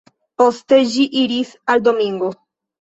Poste ĝi iris al Domingo.